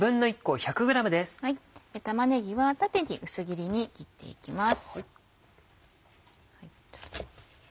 玉ねぎは縦に薄切りに切っていきます。